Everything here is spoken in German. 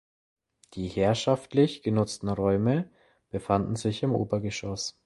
Die herrschaftlich genutzten Räume befanden sich im Obergeschoss.